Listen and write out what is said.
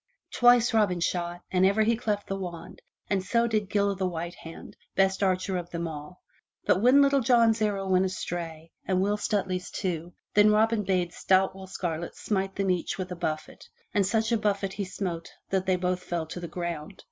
Twice Robin shot and ever he cleft the wand, and so did Gil o' the White Hand, best archer of them all, but when Little John's arrow went astray and Will Stutely's too, then Robin bade stout Will Scarlet smite them each a buffet, and such a buffet he smote that they both fell to the ground.